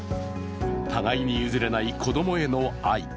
互いに譲れない、子供への愛。